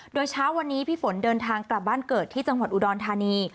โดยเช้าวันนี้พี่ฝนเดินทางกลับบ้านเกิดที่จังหวัดอุดรธานี